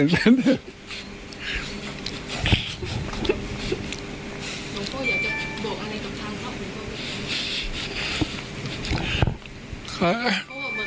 น้องโภคอยากจะบอกอะไรกับทางข้าวหมูข้าวมึง